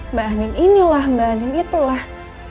mbak andin inilah mbak andin itulah